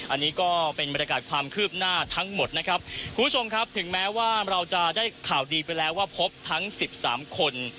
อันนี้ก็เป็นบรรยากาศความคืบหน้าทั้งหมดนะครับคุณผู้ชมครับถึงแม้ว่าเราจะได้ข่าวดีไปแล้วว่าพบทั้งสิบสามคน